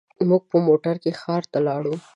موږ په موټر کې ښار ته لاړو.